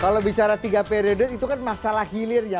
kalau bicara tiga periode itu kan masalah hilir ya